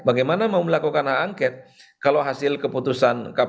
bagaimana mau melakukan hak angket kalau hasil keputusan